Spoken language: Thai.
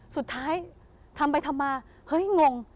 สุดท้ายทำไปทำมาเฮ้ยงง